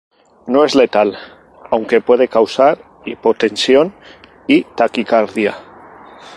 No es letal, aunque puede causar hipotensión y taquicardia.